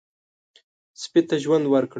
سپي ته ژوند ورکړئ.